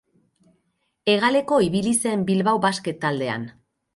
Hegaleko ibili zen Bilbao Basket taldean.